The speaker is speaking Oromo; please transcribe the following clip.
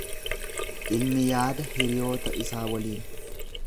Ilmi yaada hiriyoota isaa waliin.